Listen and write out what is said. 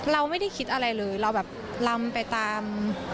เรามีคิดอะไรเลยเรารำไปตาม